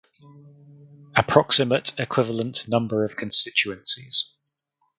Approximate equivalent number of constituencies.